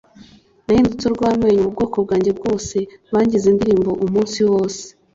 Nahindutse urw’amenyo mu bwoko bwanjye bwose, Bangize indirimbo umunsi wose.